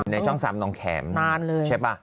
ในช่อง๓ทองแคมใช่เปล่า